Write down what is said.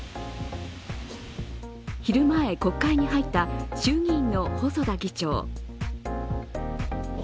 昼前、国会に入った衆議院の細田議長。